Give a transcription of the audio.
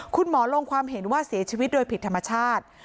คุณหมอลงความเห็นว่าเสียชีวิตโดยผิดธรรมชาติ